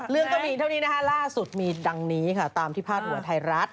ก็มีเท่านี้นะคะล่าสุดมีดังนี้ค่ะตามที่พาดหัวไทยรัฐ